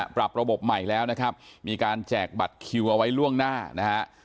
ปรับระบบใหม่แล้วนะครับมีการแจกบัตรคิวเอาไว้ล่วงหน้านะฮะ